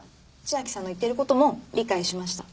千明さんの言ってることも理解しました。